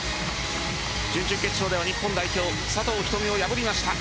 準々決勝では日本代表、佐藤瞳を破りました。